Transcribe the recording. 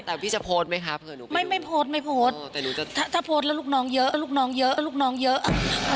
แต่พี่จะโพสไหมครับไม่โพสถ้าโพสแล้วลูกน้องเยอะลูกน้องเยอะลูกน้องเยอะ